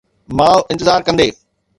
ماءُ انتظار ڪندي